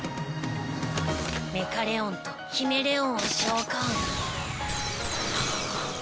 メカレオンとヒメレオンを召喚。